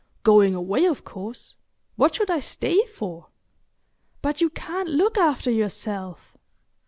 "Going away, of course. What should I stay for?" "But you can't look after yourself?"